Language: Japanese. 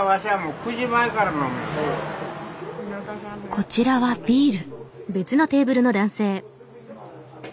こちらはビール。